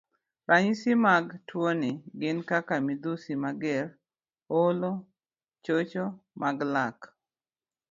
Ranyisi mag tuwono gin kaka midhusi mager, olo, chocho mar lak,